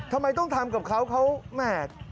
ทำไมต้องทำกับเขาเขาแหม่